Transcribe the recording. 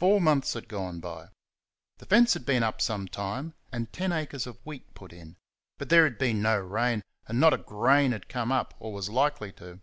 Four months had gone by. The fence had been up some time and ten acres of wheat put in; but there had been no rain, and not a grain had come up, or was likely to.